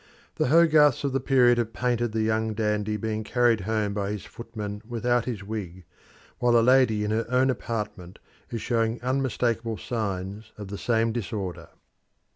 The Hogarths of the period have painted the young dandy being carried home by his footman without his wig, while the lady in her own apartment is showing unmistakable signs of the same disorder.